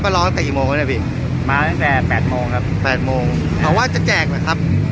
มาตั้งแต่แปดโมงครับแปดโมงเขาว่าจะแจกไหมครับ